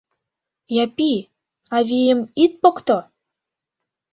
Япи, авийым ит покто!